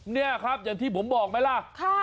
นี่ครับอย่างที่ผมบอกไหมล่ะ